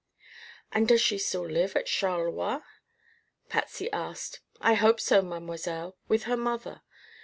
"And does she still live at Charleroi?" Patsy asked. "I hope so, mademoiselle; with her mother.